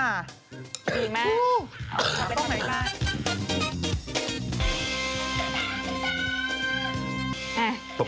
รู้ไหมเราก็ไม่รู้จังเลยค่ะ